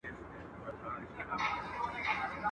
واى توتکۍ بې ازاره ده، واى د چمن د چينجيانو څخه پوښتنه وکه.